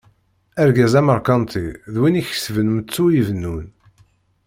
Argaz ameṛkanti d win ikesben meṭṭu ibennun.